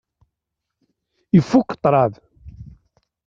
Ifukk ṭṭṛad.